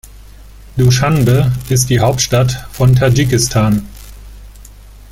Duschanbe ist die Hauptstadt von Tadschikistan.